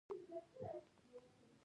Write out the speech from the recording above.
په رڼا ورځ سترګې پټېږي.